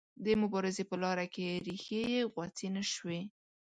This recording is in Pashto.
د مبارزې په لاره کې ریښې یې غوڅې نه شوې.